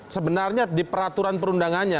sebenarnya di peraturan perundangannya